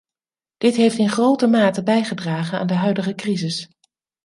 Dit heeft in grote mate bijgedragen aan de huidige crisis.